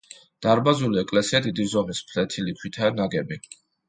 დარბაზული ეკლესია დიდი ზომის ფლეთილი ქვითაა ნაგები.